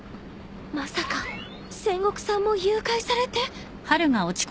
まさか千石さんも誘拐されて？